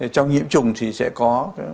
trong nhiễm trùng thì sẽ có